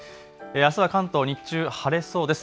あすは関東、日中晴れそうです。